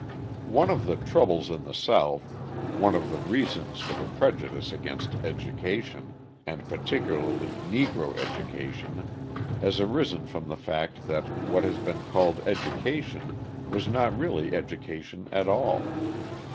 One of the troubles in the South, one of the reasons for the prejudice against education, and particularly Negro education, has arisen from the fact that what has been called education was not really education at all.